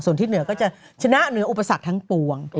ส่วนที่เหนือก็จะชนะเหนืออุปสรรคทั้งปวง